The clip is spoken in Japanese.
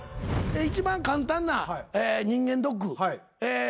一番簡単な人間ドック。